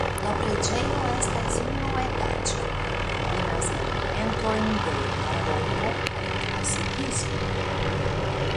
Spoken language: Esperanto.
La preĝejo estas unuetaĝa kaj kombinas elementojn de baroko kaj klasikismo.